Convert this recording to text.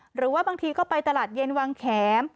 หรือว่าบางทีก็ไปตลาดเย็นวังแขม